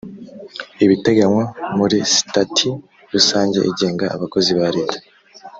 ibiteganywa muri Sitati rusange igenga abakozi ba Leta